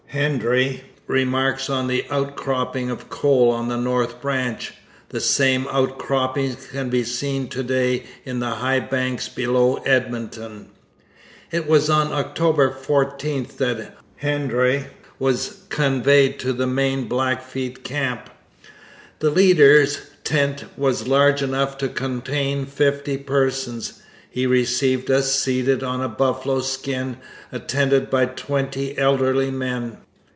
Hendry remarks on the outcropping of coal on the north branch. The same outcroppings can be seen to day in the high banks below Edmonton. It was on October 14 that Hendry was conveyed to the main Blackfeet camp. The leader's tent was large enough to contain fifty persons. He received us seated on a buffalo skin, attended by twenty elderly men.